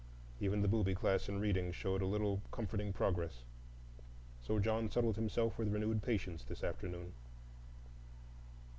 Even the booby class in reading showed a little comforting progress. So John settled himself with renewed patience this afternoon.